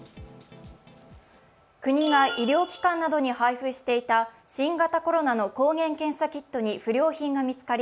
国が医療機関などに配布していた新型コロナの抗原検査キットに不良品が見つかり